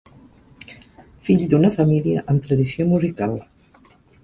Fill d'una família amb tradició musical.